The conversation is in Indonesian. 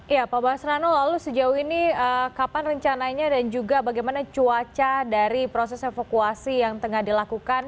ya pak basrano lalu sejauh ini kapan rencananya dan juga bagaimana cuaca dari proses evakuasi yang tengah dilakukan